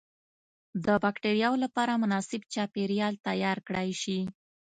د بکترياوو لپاره مناسب چاپیریال تیار کړای شي.